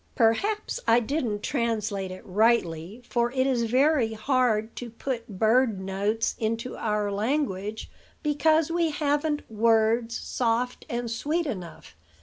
"Perhaps I didn't translate it rightly; for it is very hard to put bird notes into our language, because we haven't words soft and sweet enough.